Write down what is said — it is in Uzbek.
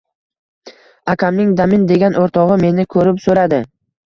Akamning Damin degan o‘rtog‘i meni ko‘rib so‘radi.